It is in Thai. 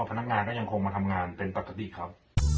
พนักงานก็ยังคงมาทำงานเป็นปกติครับ